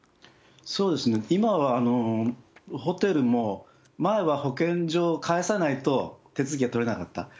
そうですね、今はホテルも、前は保健所を介さないと手続きが取れなかった。